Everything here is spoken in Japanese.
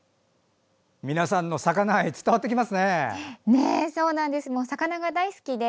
皆さんの魚愛伝わってきますね。